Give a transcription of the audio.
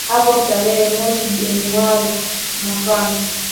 hapo tarehe mosi januari mwakani